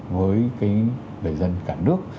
với cái đời dân cả nước